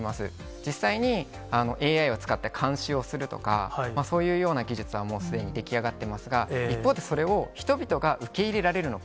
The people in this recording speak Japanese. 実際にＡＩを使って監視をするとか、そういうような技術はもうすでにに出来上がってますが、一方で、それを人々が受け入れられるのか。